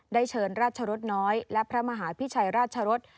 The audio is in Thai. ได้เชิญราชรสน้อยและพระมหาพิชัยราชรส